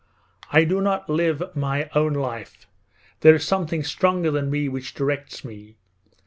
I do not live my own life, there is something stronger than me which directs me.